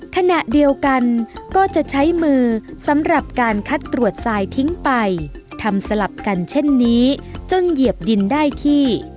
ขณะเดียวกันก็จะใช้มือสำหรับการคัดตรวจทรายทิ้งไปทำสลับกันเช่นนี้จนเหยียบดินได้ที่